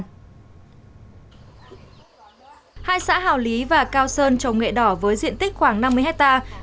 hai xã hào lý và cao sơn trồng nghệ đỏ với diện tích khoảng năm mươi hectare